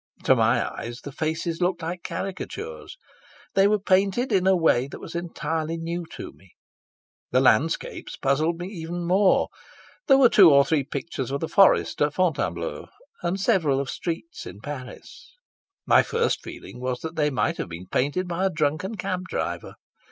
To my eyes the faces looked like caricatures. They were painted in a way that was entirely new to me. The landscapes puzzled me even more. There were two or three pictures of the forest at Fontainebleau and several of streets in Paris: my first feeling was that they might have been painted by a drunken cabdriver.